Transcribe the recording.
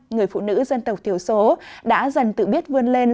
người phụ nữ dân tộc thiểu số đã dần tự biết vươn lên